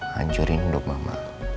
hancurin hidup mama